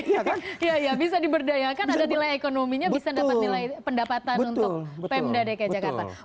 iya bisa diberdayakan ada nilai ekonominya bisa dapat nilai pendapatan untuk pemda dki jakarta